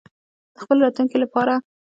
د خپل راتلونکي لپاره.